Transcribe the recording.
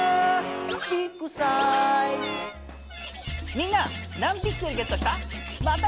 みんな何ピクセルゲットした？